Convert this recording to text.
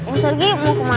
om sergi mau ke mana